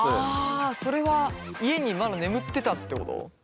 あそれは家にまだ眠ってたってこと？